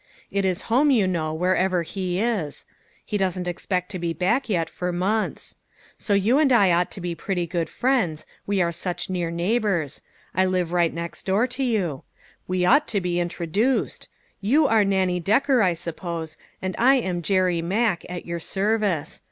It is home, you know, wher ever he is. He doesn't expect to be back yet for months. So you and I ought to be pretty good 80 LITTLE FISHERS: AND THEIE NETS. friends, we are such near neighbors. I live right next door to you. We ought to be introduced. You are Nannie Decker, I suppose, and I am Jerry Mack at your service.